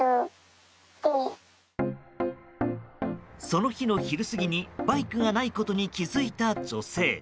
その日の昼過ぎに、バイクがないことに気づいた女性。